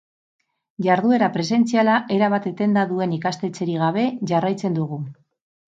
Jarduera presentziala erabat etenda duen ikastetxerik gabe jarraitzen dugu.